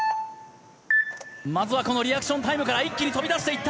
まずはこのリアクションタイムから一気に飛び出した。